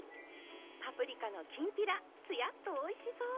パプリカのきんぴらつやっとおいしそう！